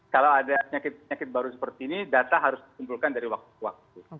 kalau ada penyakit penyakit baru seperti ini data harus dikumpulkan dari waktu ke waktu